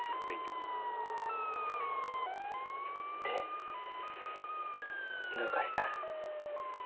手どうかした？